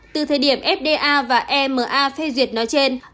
từ thời điểm fda và ema phê duyệt nói trên